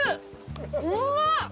うまっ！